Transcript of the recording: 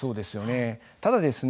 ただですね